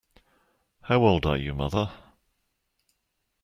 How old are you, mother.